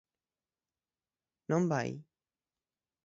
¿Non vai?